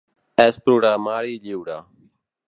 És programari lliure.